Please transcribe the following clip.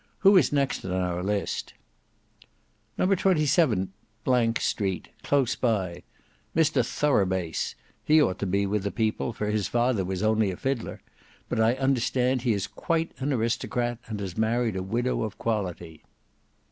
"Who is next on our list?" "No. 27, — Street, close by; Mr THOROUGH BASE: he ought to be with the people, for his father was only a fiddler; but I understand he is quite an aristocrat and has married a widow of quality."